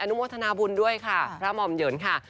นุโมทนาบุญด้วยค่ะพระหม่อมเหยินค่ะ